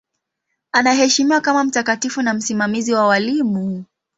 Anaheshimiwa kama mtakatifu na msimamizi wa walimu.